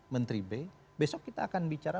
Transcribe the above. menteri b besok kita akan bicara